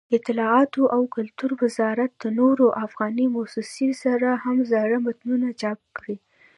دطلاعاتو او کلتور وزارت د نورو افغاني مؤسسو سره هم زاړه متون چاپ کړي.